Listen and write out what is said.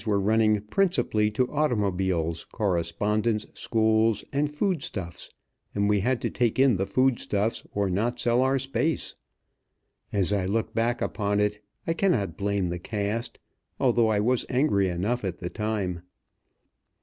were running principally to automobiles, correspondence schools, and food stuffs; and we had to take in the food stuffs or not sell our space. As I look back upon it, I cannot blame the cast, although I was angry enough at the time.